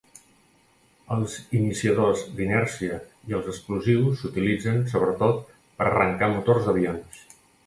Els iniciadors d'inèrcia i els explosius s'utilitzen sobretot per arrencar motors d'avions.